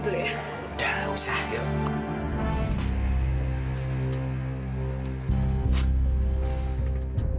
udah usah yuk